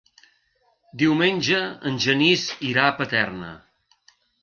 Diumenge en Genís irà a Paterna.